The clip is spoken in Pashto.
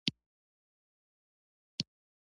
دوکاندار د خپلو اجناسو لپاره دعا کوي.